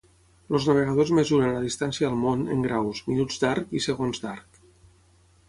Els navegadors mesuren la distància al món en graus, minuts d'arc i segons d'arc.